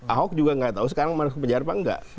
ahok juga enggak tahu sekarang masuk penjara apa enggak